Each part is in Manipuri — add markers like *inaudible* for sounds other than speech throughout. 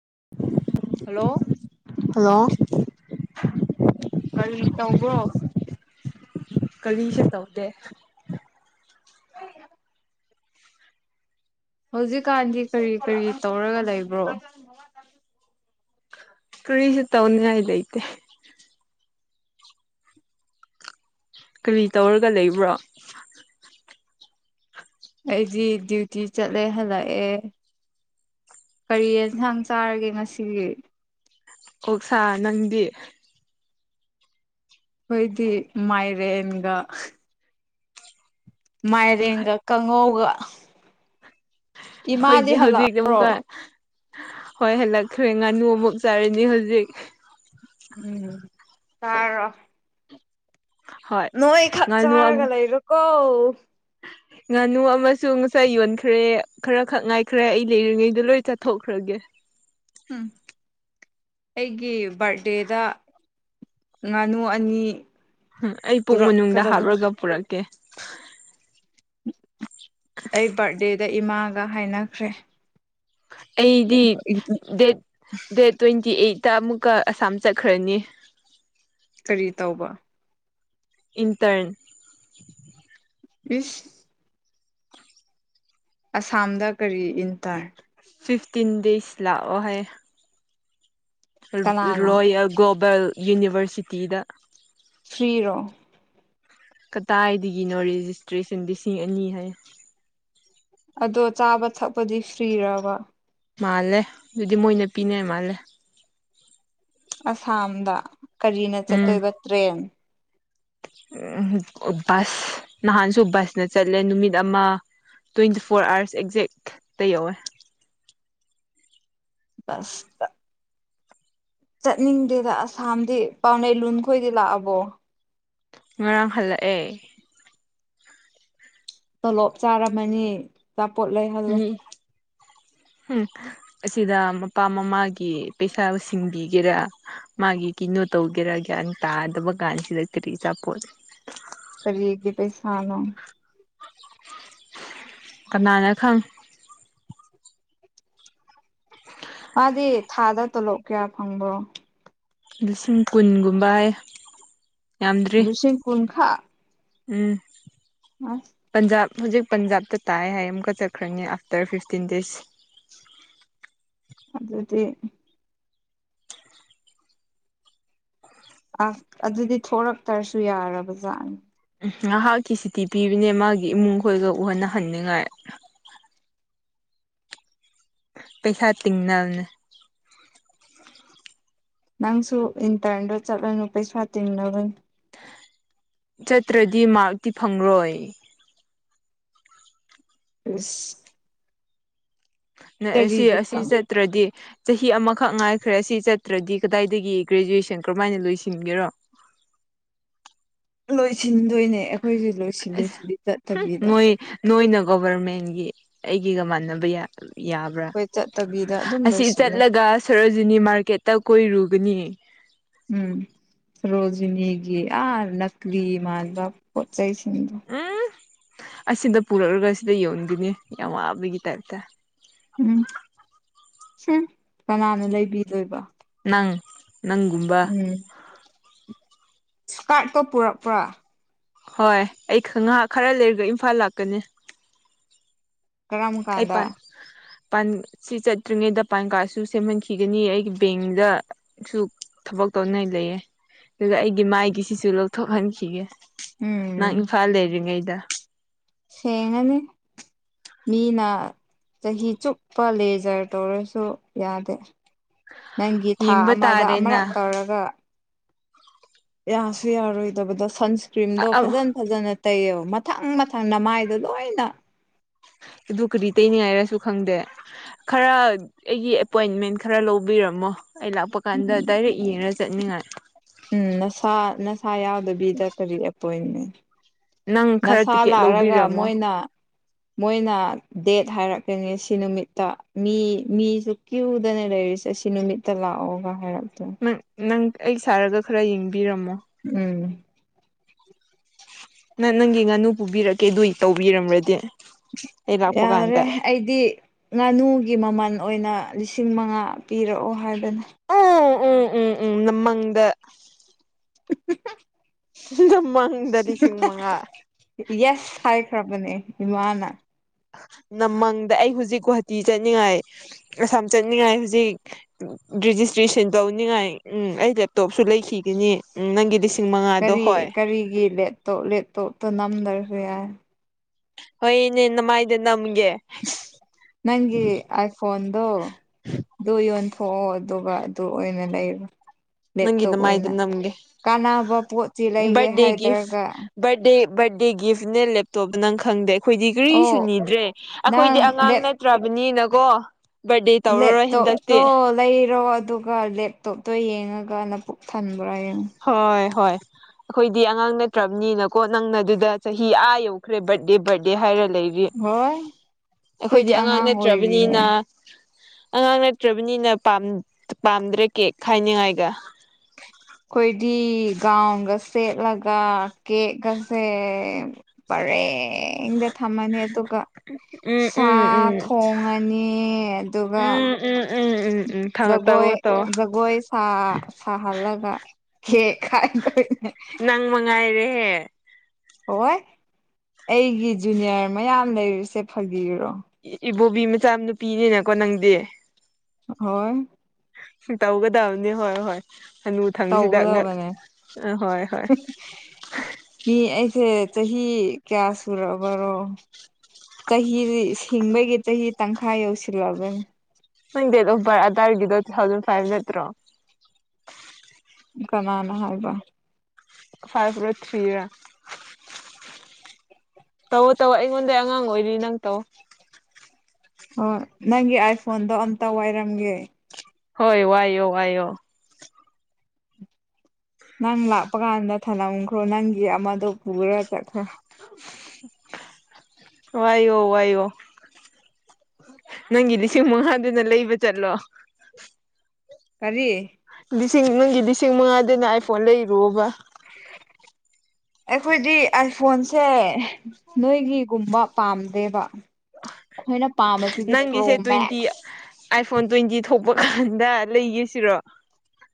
*inaudible* ꯍꯜꯂꯣ *inaudible* ꯀꯔꯤ ꯇꯧꯕ꯭ꯔꯣ ꯀꯂꯤ ꯆ ꯇꯧꯗꯦ ꯍꯧꯖꯤꯛꯀꯥꯟꯗꯤ ꯀꯔꯤ ꯀꯔꯤ ꯇꯧꯔꯒ ꯂꯩꯕ꯭ꯔꯣ ꯀꯔꯤꯁꯨ ꯇꯧꯅꯤꯉꯥꯏ ꯂꯩꯇꯦ ꯀꯔꯤ ꯇꯧꯔꯒ ꯂꯩꯕ꯭ꯔꯣ ꯑꯩꯗꯤ ꯗ꯭ꯌꯨꯇꯤ ꯆꯠꯂꯦ ꯍꯜꯂꯛꯑꯦ ꯀꯔꯤ ꯌꯦꯟꯁꯥꯡ ꯆꯥꯔꯒꯦ ꯉꯁꯤꯒꯤ ꯑꯣꯛꯁꯥ ꯅꯪꯗꯤ ꯑꯣꯏꯗꯤ ꯃꯥꯏꯔꯦꯟꯒ ꯃꯥꯏꯔꯦꯟꯒ ꯀꯪꯉꯧꯒ ꯑꯈꯣꯏꯗꯤ ꯍꯧꯖꯤꯛ ꯍꯜꯂꯛꯑꯕ꯭ꯔꯣ ꯑꯃꯨꯛꯀ ꯍꯣꯏ ꯍꯜꯂꯛꯈ꯭ꯔꯦ ꯉꯥꯅꯨ ꯑꯃꯨꯛ ꯆꯥꯔꯅꯤ ꯍꯧꯖꯤꯛ ꯎꯝ ꯆꯥꯔꯣ ꯍꯣꯏ ꯅꯣꯏ ꯈꯠ ꯉꯥꯅꯨ ꯆꯥꯔꯒ ꯂꯩꯔꯣꯀꯣ ꯑꯣ ꯉꯥꯅꯨ ꯑꯃꯁꯨ ꯉꯁꯥꯏ ꯌꯣꯟꯈ꯭ꯔꯦ ꯈꯔ ꯈꯛ ꯉꯥꯏꯈ꯭ꯔꯦ ꯑꯩ ꯂꯩꯔꯤꯉꯩꯗ ꯂꯣꯏ ꯆꯠꯊꯣꯛꯈ꯭ꯔꯒꯦ ꯎꯝ ꯑꯩꯒꯤ ꯕꯥꯔꯗꯦꯗ ꯉꯥꯅꯨ ꯑꯅꯤ ꯎꯝ ꯑꯩ ꯄꯨꯛ ꯃꯅꯨꯡꯗ ꯄꯨꯔꯛꯀꯗꯕꯅꯤ ꯍꯥꯞꯂꯒ ꯄꯨꯔꯛꯀꯦ ꯗ ꯏꯃꯥꯒ ꯍꯥꯏꯅꯈ꯭ꯔꯦ ꯑꯩꯗꯤ ꯗꯦꯠ ꯗꯦꯠ ꯇ꯭ꯋꯦꯟꯇꯤ ꯑꯩꯠ ꯇ ꯑꯃꯨꯛꯀ ꯑꯁꯥꯝ ꯆꯠꯈ꯭ꯔꯅꯤ ꯀꯔꯤ ꯇꯧꯕ ꯏꯟꯇ꯭ꯔꯟ ꯏꯁ ꯑꯁꯥꯝꯗ ꯀꯔꯤ ꯏꯟꯇ꯭ꯔꯟ ꯐꯤꯞꯇꯤꯟ ꯗꯦꯁ ꯂꯥꯛꯑꯣꯍꯥꯏ ꯀꯅꯥꯅ ꯔꯣꯌꯜ ꯒꫭ ꯕꯜ ꯌꯨꯅꯤꯕꯔꯁꯤꯇꯤꯗ ꯐ꯭ꯔꯤꯔꯣ ꯀꯗꯥꯏꯗꯒꯤꯅꯣ ꯔꯦꯖꯤꯁꯇ꯭ꯔꯦꯁꯟ ꯂꯤꯁꯤꯡ ꯑꯅꯤ ꯍꯥꯏꯌꯦ꯫ ꯑꯗꯣ ꯆꯥꯕ ꯊꯛꯄꯗꯤ ꯐ꯭ꯔꯤꯔꯕ꯫ ꯃꯥꯜꯂꯦ ꯑꯗꯨꯗꯤ ꯃꯣꯏꯅ ꯄꯤꯅꯦ ꯃꯥꯜꯂꯦ꯫ ꯑꯁꯥꯝꯗ ꯀꯔꯤꯅ ꯎꯝ ꯆꯠꯇꯣꯏꯕ ꯇ꯭ꯔꯦꯟ ꯕꯁ ꯅꯍꯥꯟꯁꯨ ꯕꯁꯅ ꯆꯠꯂꯦ ꯅꯨꯃꯤꯠ ꯑꯃ ꯇ꯭ꯋꯦꯟꯇꯤ ꯐꯣꯔ ꯑꯥꯋꯥꯔꯁ ꯑꯦꯛꯖꯦꯛꯇ ꯌꯧꯋꯦ꯫ *unintelligible* ꯆꯠꯅꯤꯡꯗꯦꯗ ꯑꯁꯥꯝꯗꯤ ꯄꯥꯎꯅꯩ ꯂꯨꯟ ꯈꯣꯏꯗꯤ ꯂꯥꯛꯑꯕꯣ꯫ ꯉꯔꯥꯡ ꯍꯜꯂꯛꯑꯦ꯫ ꯇꯣꯂꯣꯞ ꯆꯥꯔꯝꯃꯅꯤ꯫ ꯑꯆꯥꯄꯣꯠ ꯂꯩꯍꯜꯂꯣ꯫ ꯎꯝ ꯎꯝ ꯑꯁꯤꯗ ꯃꯄꯥ ꯃꯃꯥꯒꯤ ꯄꯩꯁꯥꯕꯨ ꯁꯤꯡꯕꯤꯒꯦꯔꯥ ꯃꯥꯒꯤ ꯀꯤꯩꯅꯣ ꯇꯧꯒꯦꯔꯥ ꯒ꯭ꯌꯥꯟ ꯇꯥꯗꯕ ꯀꯥꯟꯁꯤꯗ ꯀꯔꯤ ꯆꯥꯄꯣꯠ꯫ ꯀꯔꯤꯒꯤ ꯄꯩꯁꯥꯅꯣ ꯀꯅꯥꯅ ꯈꯪ ꯃꯥꯗꯤ ꯊꯥꯗ ꯇꯣꯂꯣꯞ ꯀꯌꯥ ꯐꯪꯕ꯭ꯔꯣ ꯂꯤꯁꯤꯡ ꯀꯨꯟꯒꯨꯝꯕ ꯍꯥꯏꯌꯦ꯫ ꯂꯥꯁꯤꯡ ꯀꯨꯟ ꯈꯛ ꯎꯝ ꯑꯁ ꯄꯟꯖꯥꯕ ꯍꯧꯖꯤꯛ ꯄꯟꯖꯥꯕꯇ ꯇꯥꯏ ꯍꯥꯏ ꯑꯃꯨꯛꯀ ꯆꯠꯈ꯭ꯔꯅꯤ ꯑꯥꯐꯇꯔ ꯐꯤꯐꯇꯤꯟ ꯗꯦꯖ꯫ ꯑꯗꯨꯗꯤ ꯑꯁ ꯑꯗꯨꯗꯤ ꯊꯣꯔꯛꯇ꯭ꯔꯁꯨ ꯌꯥꯔꯕꯖꯥꯠꯅꯤ꯫ ꯉꯥꯏꯍꯥꯛꯀꯤ ꯁꯨꯇꯤ ꯄꯤꯕꯅꯦ ꯃꯥꯒꯤ ꯏꯃꯨꯡ ꯈꯣꯏꯒ ꯎꯍꯟꯅꯅꯤꯡꯉꯥꯏ ꯄꯩꯁꯥ ꯇꯤꯡꯅꯕꯅꯦ꯫ ꯅꯪꯁꯨ ꯏꯟꯇꯔꯟꯗꯣ ꯆꯠꯂꯅꯨ ꯄꯩꯁꯥ ꯇꯤꯡꯅꯕꯅꯦ꯫ ꯆꯠꯇ꯭ꯔꯗꯤ ꯃꯥꯔꯛꯇꯤ ꯐꯪꯔꯣꯏ꯫ ꯑꯁ ꯅ ꯑꯁꯤ ꯑꯁꯤ ꯐꯪ ꯆꯠꯇ꯭ꯔꯗꯤ ꯆꯍꯤ ꯑꯃꯈꯛ ꯉꯥꯏꯈ꯭ꯔꯦ ꯑꯁꯤ ꯆꯠꯇ꯭ꯔꯗꯤ ꯀꯗꯥꯏꯗꯒꯤ ꯒ꯭ꯔꯦꯖꯨꯋꯦꯁꯟ ꯀꯔꯝꯃꯥꯏꯅ ꯂꯣꯏꯁꯤꯟꯒꯦꯔꯣ꯫ ꯂꯣꯏꯁꯤꯟꯗꯣꯏꯅꯦ ꯑꯩꯈꯣꯏꯁꯦ ꯑꯁ ꯂꯣꯏꯁꯤꯜꯂꯁꯤꯗꯤ ꯆꯠꯇꯕꯤꯗ꯫ ꯅꯣꯏ ꯅꯣꯏꯅ ꯒꯣꯚꯔꯃꯦꯟꯒꯤ ꯑꯩꯒꯤꯒ ꯃꯥꯟꯅꯕ ꯌꯥꯒ ꯌꯥꯕ꯭ꯔꯥ ꯑꯩꯈꯣꯏ ꯆꯠꯇꯕꯤꯗ ꯑꯗꯨꯝ ꯑꯁꯤ ꯂꯣꯏꯁꯤꯜꯂꯦ ꯆꯠꯂꯒ ꯁꯣꯔꯣꯖꯤꯅꯤ ꯃꯥꯔꯀꯦꯠꯇ ꯀꯣꯏꯔꯨ ꯑꯒꯅꯤ ꯎꯝ ꯁꯣꯔꯣꯖꯤꯅꯤꯒꯤ ꯑꯥ ꯅꯛꯀ꯭ꯂꯤ ꯃꯥꯟꯅꯕ ꯄꯣꯠ ꯆꯩꯁꯤꯡꯗꯣ꯫ ꯎꯝ ꯑꯁꯤꯗ ꯄꯨꯔꯛꯑꯒ ꯑꯁꯤꯗ ꯌꯣꯟꯒꯅꯤ ꯌꯥꯝ ꯋꯥꯕꯒꯤ ꯇꯥꯏꯞꯇ꯫ ꯎꯝ ꯍꯨꯝ ꯀꯅꯥꯅ ꯂꯩꯕꯤꯗꯣꯏꯕ꯫ ꯅꯪ ꯅꯪꯒꯨꯝꯕ ꯁ꯭ꯀꯥꯔꯠꯀꯣ ꯄꯨꯔꯛꯄ꯭ꯔꯥ ꯍꯣꯏ ꯑꯩ ꯉꯥꯏꯍꯥꯛ ꯈꯔ ꯂꯩꯔꯒ ꯏꯝꯐꯥꯜ ꯂꯥꯛꯀꯅꯤ ꯀꯔꯝ ꯑꯩ ꯀꯥꯟꯗ ꯄꯥꯟ ꯄꯥꯟ ꯁꯤ ꯆꯠꯇ꯭ꯔꯤꯉꯩꯗ ꯄꯥꯟ ꯀꯥꯔꯗꯁꯨ ꯁꯦꯝꯍꯟꯈꯤꯒꯅꯤ ꯑꯩꯒꯤ ꯕꯦꯡꯗꯁꯨ ꯊꯕꯛ ꯇꯧꯅꯤꯡꯉꯥꯏ ꯂꯩꯌꯦ ꯑꯗꯨꯒ ꯑꯩꯒꯤ ꯃꯥꯏꯒꯤ ꯁꯤꯁꯨ ꯂꯧꯊꯣꯛꯍꯟꯈꯤꯒꯦ ꯅꯪ ꯎꯝ ꯏꯝꯐꯥꯜꯗ ꯏꯔꯤꯉ ꯑꯩꯗ ꯁꯦꯡꯉꯅꯤ ꯃꯤꯅ ꯆꯍꯤ ꯆꯨꯞꯄ ꯂꯦꯖꯔ ꯇꯧꯔꯁꯨ ꯌꯥꯗꯦ ꯅꯪꯒꯤ ꯊꯥ ꯌꯦꯡꯕ ꯑꯃꯗ ꯇꯥꯔꯦꯅ ꯑꯃꯨꯔꯛ ꯇꯧꯔꯒ ꯌꯥꯁꯨ ꯌꯥꯔꯣꯏ ꯏꯗ ꯁꯟ ꯀ꯭ꯔꯤꯝꯗꯣ ꯐꯖꯅ ꯐꯖꯅ ꯇꯩꯌꯦꯕ ꯃꯊꯪ ꯃꯊꯪ ꯅ ꯃꯥꯏꯗꯣ ꯂꯣꯏꯅ ꯑꯗꯨ ꯀꯔꯤ ꯇꯩꯅꯤꯡꯉꯥꯏꯔꯁꯨ ꯈꯪꯗꯦ ꯈꯔ ꯑꯩꯒꯤ ꯑꯦꯄꯣꯏꯟꯃꯦꯟ ꯈꯔ ꯂꯧꯕꯤꯔꯝꯃꯣ ꯑꯩ ꯂꯥꯛꯄ ꯀꯥꯟꯗ ꯗꯥꯏꯔꯦꯛ ꯌꯦꯡꯉ ꯆꯠꯅꯤꯡꯉꯥꯏ ꯎꯝ ꯅꯁꯥ ꯊꯥ ꯌꯥꯎꯗꯕꯤꯗ ꯀꯔꯤ ꯑꯦꯄꯣꯏꯟꯃꯦꯟ *unintelligible* ꯅꯪ ꯈꯔ ꯅꯁꯥ ꯇꯤꯛꯀꯦꯠ ꯂꯥꯛꯔꯒ ꯂꯧꯕꯤꯔꯝꯃꯣ ꯃꯣꯏꯅ ꯃꯣꯏꯅ ꯗꯦꯠ ꯍꯥꯏꯔꯛꯀꯅꯤ ꯁꯤ ꯅꯨꯃꯤꯠꯇ ꯃꯤ ꯃꯤꯁꯨ ꯀ꯭ꯌꯨꯗꯅ ꯂꯩꯔꯤꯁꯦ ꯁꯤ ꯅꯨꯃꯤꯠꯇ ꯂꯥꯛꯑꯣꯒ ꯍꯥꯏꯔꯛ ꯎ ꯅꯪ ꯑꯩ ꯁꯥꯔꯒ ꯈꯔ ꯌꯦꯡꯕꯤꯔꯝꯃꯣ ꯎꯝ ꯅꯪ ꯅꯪꯒꯤ ꯉꯥꯅꯨ ꯄꯨꯕꯤꯔꯛꯀꯦ ꯑꯗꯨꯏ ꯇꯧꯕꯤꯔꯝꯃ꯭ꯔꯗꯤ ꯌꯥꯔꯦ ꯑꯩꯗꯤ ꯉꯥꯅꯨꯒꯤ ꯃꯃꯜ ꯑꯣꯏꯅ ꯂꯤꯁꯤꯡ ꯃꯉꯥ ꯄꯤꯔꯛꯑꯣ ꯍꯥꯏꯕ *inaudible* ꯎꯝ ꯎꯝ ꯎꯝ ꯎꯝ ꯅꯃꯪꯗ ꯅꯃꯪꯗ ꯂꯤꯁꯤꯡ ꯃꯉꯥ ꯌꯦꯁ ꯊꯥꯏ ꯈꯔ ꯃꯅꯤ ꯏꯃꯅ ꯅꯃꯥꯡꯗ ꯑꯩ ꯍꯧꯖꯤꯛ ꯒꯨꯍꯥꯇꯤ ꯆꯠꯅꯤꯡꯉꯥꯏ ꯑꯁꯥꯝ ꯆꯠꯅꯤꯡꯉꯥꯏ ꯍꯧꯖꯤꯛ ꯔꯦꯖꯤꯁꯇ꯭ꯔꯦꯁꯟ ꯇꯧꯅꯤꯡꯉꯥꯏ ꯎꯝ ꯑꯩ ꯂꯦꯞꯇꯣꯞꯁꯨ ꯂꯩꯈꯤꯒꯅꯤ ꯎꯝ ꯅꯪꯒꯤ ꯃꯉꯥꯗꯣ ꯀꯔꯤ ꯍꯣꯏ ꯀꯔꯤꯒꯤ ꯂꯦꯠꯇꯣ ꯂꯦꯞꯠꯇꯣ ꯣ ꯅꯝ ꯗꯔꯌꯥ ꯍꯣꯏꯅꯦ ꯅ ꯃꯥꯥꯏꯗ ꯅꯝ ꯅꯪꯒꯤ ꯑ ꯐꯣꯟꯟꯗꯨꯣ ꯗꯣꯏꯣꯌꯣ ꯊꯣꯛꯑꯣ ꯑꯗꯨꯒ ꯑꯗꯨ ꯑꯣꯏꯅ ꯂꯩꯕ ꯅꯪꯒꯤ ꯂꯦꯞꯇꯣꯞ ꯅꯃꯥꯏꯗ ꯑꯣꯏꯅ ꯅꯝꯒꯦ ꯀꯥꯟꯅꯕ ꯄꯣꯠꯁꯤ ꯂꯩꯒꯦ ꯍꯥꯏꯗ꯭ꯔꯒ ꯕꯔꯗꯦ ꯒꯤꯐꯠꯅꯦ ꯂꯦꯞꯇꯣꯞ ꯅꯪ ꯈꯪꯗꯦ ꯑꯩꯈꯣꯏꯗꯤ ꯀꯔꯤꯁꯨ ꯑꯣ ꯅꯤꯗ꯭ꯔꯦ ꯅꯪ ꯑꯩꯈꯣꯏꯗꯤ ꯑꯉꯥꯡ ꯅꯠꯇ꯭ꯔꯕꯅꯤꯅ ꯣ ꯂꯩꯣꯣ ꯂꯩꯥꯏ ꯏꯔꯣ ꯑꯗꯨꯒ ꯂꯦꯞꯇꯣꯞꯇꯣ ꯌꯦꯡꯉꯒ ꯂ ꯄꯨꯕꯨꯛ ꯊꯟꯕ꯭ꯔꯥ ꯌꯦꯡꯉꯣ ꯍꯣꯏ ꯍꯣꯏ ꯑꯩꯈꯣꯏꯗꯤ ꯑꯉꯥꯡ ꯅꯠꯇ꯭ꯔꯕꯅꯤꯅꯀꯣ ꯅꯪꯅ ꯑꯗꯨꯗ ꯆꯍꯤ ꯑꯥ ꯌꯧꯈ꯭ꯔꯦ ꯕꯔꯠꯗꯦ ꯕꯔꯗꯦ ꯍꯥꯏꯔ ꯂꯩꯔꯤ ꯍꯣꯏ ꯑꯩꯈꯣꯏꯗꯤ ꯑꯉꯥꯡ ꯅꯠꯇ꯭ꯔꯕꯅꯤꯅ ꯑꯉꯥꯡ ꯅꯠꯇ꯭ꯔꯕꯅꯤꯅ ꯄꯥꯝꯗ꯭ꯔꯦ ꯀꯦ ꯍꯥꯏꯥꯏꯅꯤꯉꯥꯏꯒ ꯑꯩꯈꯣꯏꯗꯤ ꯒꯥꯎꯟꯒ ꯁꯦꯠꯂꯒ ꯀꯦꯛꯀꯁꯦ ꯄꯔꯦ ꯡꯗ ꯊꯝꯃꯅꯤ ꯑꯗꯨꯒ ꯎꯝ ꯁꯥ ꯎꯝ ꯎꯝ ꯊꯣꯡꯉꯅꯤ ꯑꯗꯨꯒ ꯎꯝ ꯎꯝ ꯎꯝ ꯎꯝ ꯎꯝ ꯊꯝ ꯖꯒꯣꯏ ꯇꯧꯋꯣ ꯇꯧꯋꯣ ꯖꯒꯣꯏ ꯁꯥꯍꯜꯂꯒ ꯀꯦꯛ ꯈꯥꯏꯗꯣꯏꯅꯦ ꯍ ꯍꯣꯏ ꯑꯩꯒꯤ ꯖꯨꯅꯤꯌꯔ ꯃꯌꯥꯝ ꯂꯩꯔꯤꯁꯦ ꯐꯕꯤꯔꯣ ꯏꯕꯣꯕꯤ ꯃꯆꯥ ꯅꯨꯄꯤꯅꯤꯅꯀꯣ ꯅꯪꯗꯤ ꯍꯣꯏ ꯇꯧꯒ ꯇꯕꯅꯤ ꯍꯣꯏ ꯍꯣꯏ ꯍꯅꯨ ꯊꯪꯁꯤꯗ ꯉ ꯇꯧꯒꯗꯕꯅꯦ ꯑ ꯍꯣꯏ ꯍꯣꯏ ꯁꯦ ꯆꯍꯤ ꯀꯌꯥ ꯁꯨꯔꯕꯔꯣ ꯆꯍꯤ ꯁꯤꯡꯕꯒꯤ ꯆꯍꯤ ꯇꯪꯈꯥꯏ ꯌꯧꯁꯤꯜꯂꯑꯕꯅꯦ ꯅꯪ ꯗꯦꯠ ꯑꯣꯐ ꯕꯥꯔꯠ ꯑꯗꯨꯗꯥꯋꯥꯏꯒꯤꯗꯣ ꯇꯨ ꯊꯥꯎꯖꯟ ꯐꯥꯏꯚ ꯅꯠꯇ꯭ꯔꯣ ꯏ ꯀꯅꯥꯅ ꯍꯥꯏꯕ ꯐꯥꯏꯚ ꯔ ꯊ꯭ꯔꯤ ꯔ ꯇꯧꯑꯣ ꯇꯧ ꯑꯩꯉꯣꯟꯗꯩ ꯑꯉꯥꯡ ꯑꯣꯏꯔꯤ ꯅꯪ ꯇꯧ ꯑꯣ ꯅꯪꯒꯤ ꯑꯥꯏꯐꯣꯟꯗꯣ ꯑꯝꯇ ꯋꯥꯏꯔꯝꯒꯦ ꯍꯣꯏ ꯋꯥꯌꯣ- ꯋꯥꯌꯣ ꯅꯪ ꯂꯥꯛꯄ ꯀꯥꯟꯗ ꯊꯜꯂꯝꯈ꯭ꯔꯣ ꯅꯪꯒꯤ ꯑꯃꯗꯣ ꯄꯨꯔ ꯆꯠꯈ꯭ꯔꯣ ꯋꯥꯏꯌꯣ- ꯋꯥꯏꯌꯣ ꯅꯪꯒꯤ ꯂꯤꯁꯤꯡ ꯃꯉꯥꯗꯨꯅ ꯂꯩꯕ ꯆꯠꯂꯣ ꯀꯔꯤ ꯂꯤꯁꯤꯡ ꯅꯪꯒꯤ ꯂꯤꯁꯤꯡ ꯃꯉꯥꯗꯨꯅ ꯑꯥꯏ ꯐꯣꯟ ꯂꯩꯔꯨꯑꯣꯕ ꯑꯩꯈꯣꯏꯗꯤ ꯑꯥꯏꯐꯣꯟꯁꯦ ꯅꯣꯏꯒꯤꯒꯨꯝꯕ ꯄꯥꯝꯗꯦꯕ ꯑꯩꯈꯣꯏꯅ ꯄꯥꯝꯕꯁꯤꯗꯤ ꯄ꯭ꯔꯣ ꯅꯪꯒꯤꯁꯦ ꯇ꯭ꯋꯦꯟꯇꯤ ꯃꯦꯛꯁ ꯑꯥꯏꯐꯣꯟ ꯇ꯭ꯋꯦꯟꯇꯤ ꯊꯣꯛ ꯀꯟꯗ ꯂꯩꯒꯦꯁꯤꯔꯣ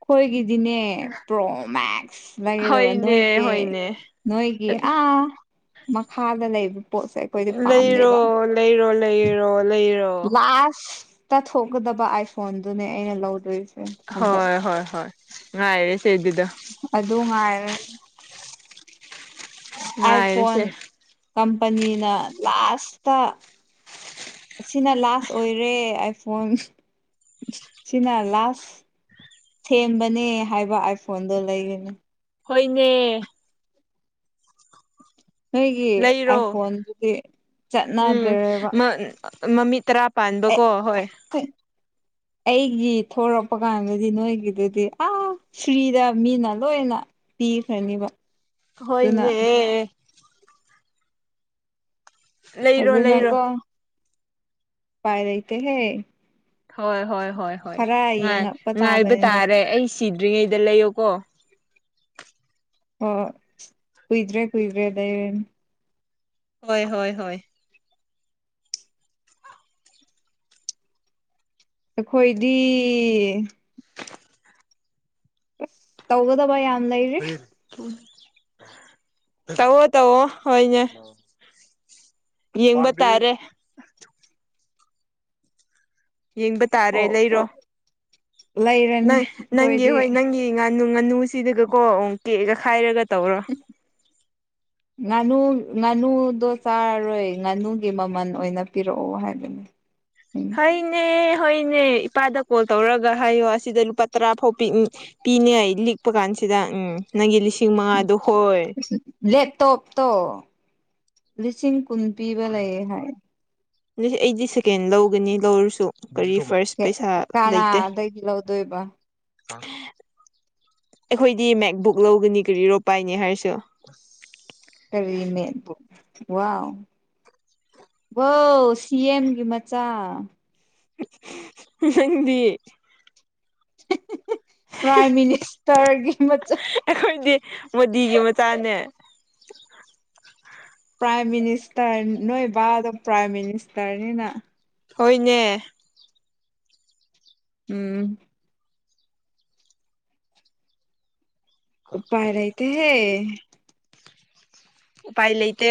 ꯑꯩꯈꯣꯏꯒꯤꯗꯤꯅꯦ ꯄ꯭ꯔꯣ ꯃꯦꯛꯁ ꯂꯩꯒꯗꯕ ꯍꯣꯏꯅꯦ ꯅꯣꯏꯒꯤ- ꯍꯣꯏꯅꯦ ꯅꯣꯏꯒꯤ ꯑꯥ ꯃꯈꯥꯗ ꯂꯩꯕ ꯄꯣꯠꯁꯦ ꯑꯩꯈꯣꯏꯗꯤ ꯂꯩꯔꯣ ꯄꯥꯝꯗꯦꯕ -ꯂꯩꯔꯣ ꯂꯩꯔꯣ -ꯂꯩꯔꯣ ꯇꯥꯊꯣꯛꯀꯗꯕ ꯑꯥꯏꯐꯣꯟꯗꯨꯅꯦ ꯑꯩꯅ ꯂꯧꯗꯣꯏ ꯍꯣꯏ -ꯍꯣꯏ- ꯍꯣꯏ ꯉꯥꯏꯔꯤ ꯑꯗꯨ ꯉꯥꯏꯔ ꯑꯥꯏꯐꯣꯟ ꯉꯥꯏꯔꯁꯦ ꯀꯝꯄꯅꯤꯅ ꯂꯥꯁꯇ ꯁꯤꯅ ꯂꯥꯁ ꯑꯣꯏꯔꯦ ꯑꯥꯏꯐꯣꯟ ꯁꯤꯅ ꯂꯥꯁ ꯊꯦꯝꯕꯅꯦ ꯍꯥꯏꯕ ꯑꯥꯏꯐꯣꯟꯗꯣ ꯂꯩꯒꯅꯤ ꯍꯣꯏꯅꯦ ꯅꯣꯏꯒꯤ ꯂꯩꯔꯣ ꯑꯥꯏꯐꯣꯟꯗꯨꯗꯤ ꯎꯝ ꯆꯠꯅꯗ꯭ꯔꯦꯕ ꯃꯃꯤꯠ ꯇꯔꯥ ꯄꯥꯟꯕ ꯑꯦ ꯀꯣ ꯍꯣꯏ ꯑꯩꯒꯤ ꯊꯣꯔꯛꯄ ꯀꯥꯟꯗꯗꯤ ꯅꯣꯏꯒꯤꯗꯨꯗꯤ ꯑꯥ ꯐ꯭ꯔꯤꯗ ꯃꯤꯅ ꯂꯣꯏꯅ ꯄꯤꯈ꯭ꯔꯅꯤꯕ ꯑꯗꯨꯅ ꯍꯣꯏꯅꯦ ꯂꯩꯔꯣ ꯂꯩꯔꯣ ꯑꯗꯨꯅꯀꯣ ꯎꯄꯥꯏ ꯂꯩꯇꯦ ꯍꯦ ꯍꯣꯏ ꯍꯣꯏ ꯍꯣꯏ ꯍꯣꯏ ꯉꯥꯏ ꯌꯦꯡꯉꯛꯄ ꯉꯥꯏꯕ ꯇꯥꯕꯅꯦ ꯅꯣꯏ ꯇꯥꯔꯦ ꯑꯩ ꯁꯤꯗ ꯗꯔꯤꯉꯩꯗ ꯂꯩ ꯌꯣꯀꯣ ꯍꯣ ꯀꯨꯏꯗ꯭ꯔꯦ ꯀꯨꯏꯗ꯭ꯔꯦ ꯂꯩꯔꯅꯤ ꯍꯣꯏ ꯍꯣꯏ ꯍꯣꯏ ꯑꯩꯈꯣꯏꯗꯤ ꯇꯧꯒꯗꯕ ꯌꯥꯝ ꯐ ꯂꯩꯔꯤ *unintelligible* ꯇꯋꯣ ꯇꯧꯋꯣ ꯍꯣꯏꯅꯦ ꯌꯦꯡꯕ ꯇꯥꯔꯦ ꯌꯦꯡꯕ ꯇꯥꯔꯦ ꯑꯣ ꯂꯩꯔꯣ ꯂꯩꯔꯅꯤ ꯅꯪ ꯅꯪꯒꯤ ꯑꯩꯈꯣꯏꯗꯤ ꯍꯣꯏ ꯅꯪꯒꯤ ꯉꯥꯅꯨ ꯉꯥꯅꯨ ꯁꯤꯗꯒꯀꯣ ꯎ ꯒ ꯈꯥꯏꯔꯒ ꯇꯧꯔꯣ ꯉꯥꯅꯨ ꯉꯥꯅꯨꯗꯣ ꯆꯥꯔꯔꯣꯏ ꯉꯥꯅꯨꯒꯤ ꯃꯃꯜ ꯑꯣꯏꯅ ꯄꯤꯔꯛꯑꯣ ꯍꯥꯏꯕꯅꯦ ꯍꯅꯦ ꯍꯣꯏꯅꯦ ꯏꯄꯥꯗ ꯀꯣꯜ ꯇꯧꯔꯒ ꯍꯥꯏꯌꯣ ꯑꯁꯤꯗ ꯂꯨꯄꯥ ꯇꯔꯥꯐꯥꯎ ꯄꯤꯅꯦ ꯂꯤꯛꯄ ꯀꯥꯟꯁꯤꯗ ꯎꯝ ꯅꯪꯒꯤ ꯂꯤꯁꯤꯡ ꯁꯤꯃꯥꯗ ꯍꯣꯏ ꯇꯣꯞ ꯇꯣ ꯂꯤꯁꯤꯡ ꯄꯨꯝ ꯄꯤꯕ ꯂꯥꯏꯦ ꯍꯥꯏꯥꯏ ꯑꯗꯨ ꯑꯩꯗꯤ ꯁꯦꯀꯦꯟ ꯂꯧꯒꯅꯤ ꯂꯧꯔꯁꯨ ꯀꯔꯤ ꯐꯥꯔꯁ ꯄꯩꯁꯥ ꯂꯩꯇꯦ ꯀꯅꯥꯗꯒꯤ ꯂꯧꯗꯣꯏꯕ ꯑꯩꯈꯣꯏꯗꯤ ꯃꯦꯛꯕꯨꯛ ꯂꯧꯒꯅꯤ ꯀꯔꯤꯔꯣ ꯄꯥꯏꯅꯤ ꯍꯥꯏꯔꯁꯨ ꯀꯔꯤ ꯃꯦꯠꯄꯨ ꯋꯥꯎ ꯋꯥ ꯁꯤ ꯑꯦꯝꯒꯤ ꯃꯆꯥ ꯍꯗꯤ *unintelligible* ꯄ꯭ꯔꯥꯏꯝ ꯃꯤꯅꯤꯁꯇꯔꯒꯤ ꯃꯆ ꯑꯩꯈꯣꯏꯗꯤ ꯃꯣꯗꯤꯒꯤ ꯃꯆꯥꯅꯦ ꯄ꯭ꯔꯥꯏꯝ ꯃꯤꯅꯤꯁꯇꯔ ꯅꯣꯏ ꯕꯕꯥꯗꯣ ꯄ꯭ꯔꯥꯏꯝ ꯃꯤꯅꯤꯁꯇꯔꯅꯤꯅ ꯍꯣꯏꯅꯦ ꯎꯝ ꯎ ꯄꯥꯏꯔꯥꯏꯇ ꯍꯦ ꯎꯄꯥꯏ ꯂꯩꯇ